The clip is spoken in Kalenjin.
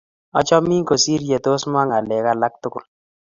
Achamin kosir ye tos mwa ng'alek alak tukul